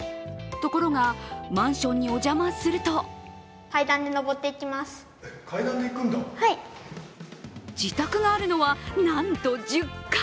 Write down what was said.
ところが、マンションにお邪魔すると自宅があるのは、なんと１０階。